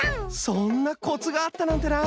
そんなコツがあったなんてな。